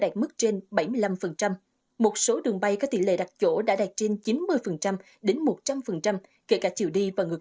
đạt mức trên bảy mươi năm một số đường bay có tỷ lệ đặt chỗ đã đạt trên chín mươi đến một trăm linh kể cả chiều đi và ngược